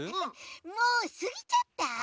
もうすぎちゃった？